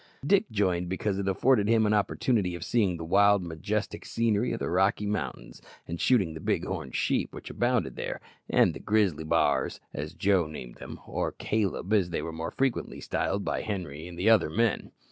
Dick joined because it afforded him an opportunity of seeing the wild, majestic scenery of the Rocky Mountains, and shooting the big horned sheep which abounded there, and the grizzly "bars," as Joe named them, or "Caleb," as they were more frequently styled by Henri and the other men.